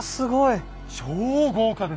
超豪華ですね！